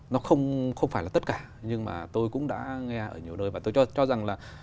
nó không phải là tất cả nhưng mà tôi cũng đã nghe ở nhiều nơi và tôi cho rằng là